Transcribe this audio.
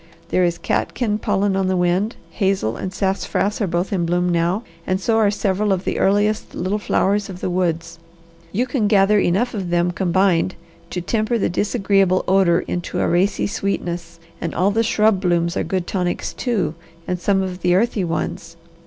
There is catkin pollen on the wind, hazel and sassafras are both in bloom now, and so are several of the earliest little flowers of the woods. You can gather enough of them combined to temper the disagreeable odour into a racy sweetness, and all the shrub blooms are good tonics, too, and some of the earthy ones.